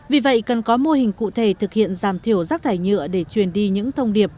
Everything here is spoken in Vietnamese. vì vậy cần có mô hình cụ thể thực hiện giảm thiểu rác thải nhựa để truyền đi những thông điệp